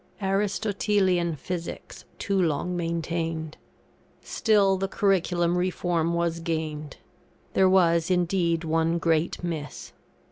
ARISTOTELIAN PHYSICS TOO LONG MAINTAINED. Still the Curriculum reform was gained. There was, indeed, one great miss.